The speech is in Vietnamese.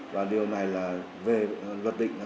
và điều này là về vật định